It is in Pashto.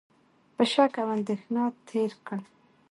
په شک او اندېښنه تېر کړ،